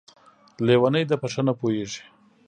لېونۍ ده ، په ښه نه پوهېږي!